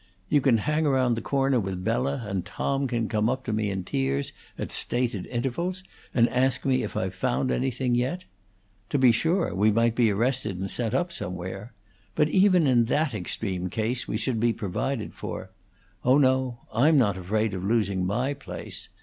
You can hang round the corner with Bella, and Tom can come up to me in tears, at stated intervals, and ask me if I've found anything yet. To be sure, we might be arrested and sent up somewhere. But even in that extreme case we should be provided for. Oh no, I'm not afraid of losing my place!